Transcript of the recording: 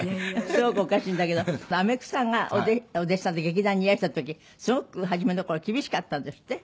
すごくおかしいんだけどあめくさんがお弟子さんで劇団にいらした時すごく初めの頃厳しかったんですって？